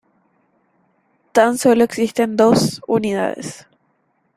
Tan sólo existen dos unidades.